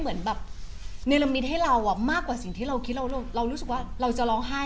ไม่ได้เป็นญาติอะไรเราด้วยแต่ทำไมต้องดีกับเราขนาดนี้